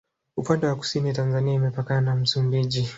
upande wa kusini tanzania imepakana na msumbiji